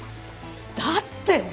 だって！